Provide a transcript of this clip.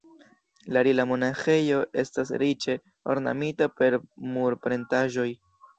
La Rila-monaĥejo estas riĉe ornamita per murpentraĵoj.